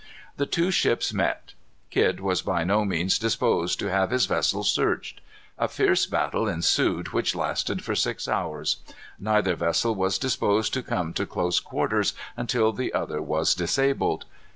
The two ships met. Kidd was by no means disposed to have his vessel searched. A fierce battle ensued which lasted for six hours. Neither vessel was disposed to come to close quarters until the other was disabled.